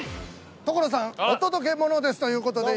『所さんお届けモノです！』ということで。